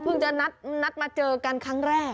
โอ้เพิ่งจะนัดมาเจอกันครั้งแรก